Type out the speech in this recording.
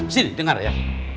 sini dengar ya